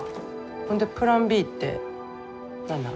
ほんでプランＢって何なん？